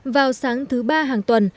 vào sáng thứ ba hàng tuần